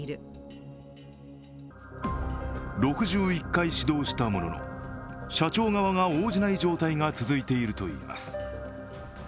６１回指導したものの、社長側が応じない状態が続いているといいます。